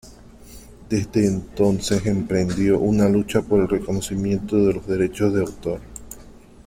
Desde entonces emprendió una lucha por el reconocimiento de los derechos de autor.